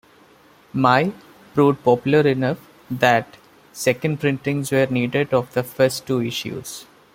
"Mai" proved popular enough that second printings were needed of the first two issues.